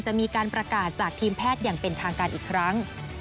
จะมีการประกาศจากทีมแพทย์อย่างเป็นทางการอีกครั้ง